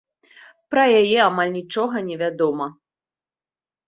Пра яе амаль нічога невядома.